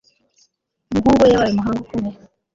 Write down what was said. Umuhungu we yabaye umuhanga ukomeye